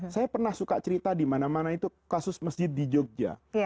saya pernah suka cerita di mana mana itu kasus masjid di jogja